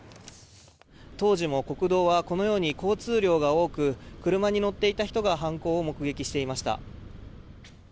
当時も国道はこのように交通量が多く車に乗っていた人が犯行を目撃していました。